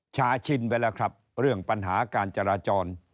ชาชินไปแล้วครับเรื่องปัญหาการจราจร